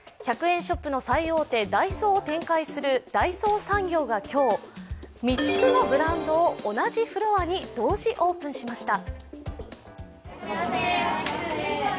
１００円ショップの最大手、ダイソーを展開する大創産業が今日、３つのブランドを同じフロアに同時オープンしました。